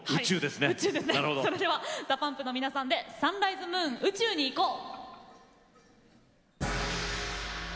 それではＤＡＰＵＭＰの皆さんで「サンライズ・ムーン宇宙に行こう」。